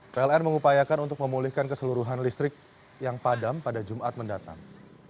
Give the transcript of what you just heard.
pln mengupayakan untuk memulihkan keseluruhan listrik yang padam pada jumat mendatang